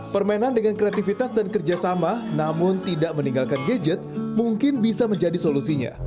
permainan dengan kreativitas dan kerjasama namun tidak meninggalkan gadget mungkin bisa menjadi solusinya